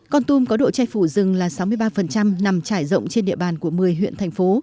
con tum có độ che phủ rừng là sáu mươi ba nằm trải rộng trên địa bàn của một mươi huyện thành phố